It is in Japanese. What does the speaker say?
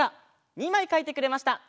２まいかいてくれました。